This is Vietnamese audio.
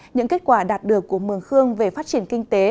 những kết quả đạt được của mường khương về phát triển kinh tế